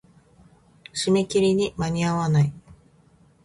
締め切りに間に合わない。